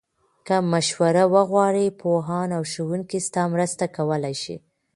که مشوره وغواړې، پوهان او ښوونکي ستا مرسته کولای شي.